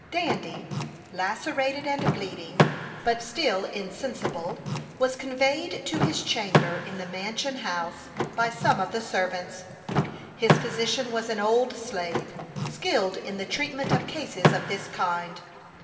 Dandy, lacerated and bleeding, but still insensible, was conveyed to his chamber in the mansion house, by some of the servants. His physician was an old slave, skilled in the treatment of cases of this kind.